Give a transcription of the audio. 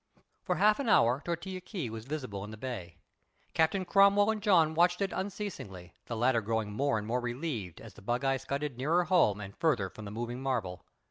For half an hour Tortilla Key was visible in the bay. Captain Cromwell and John watched it unceasingly, the latter growing more and more relieved as the bugeye scudded nearer home and farther from the moving marvel.